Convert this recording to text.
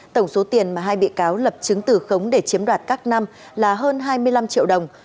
tổng số tiền mà hai bị cáo lập chứng tử khống để chiếm đoạt các năm là hơn hai mươi năm triệu đồng